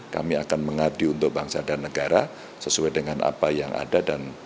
kami akan mengabdi untuk bangsa dan negara sesuai dengan apa yang ada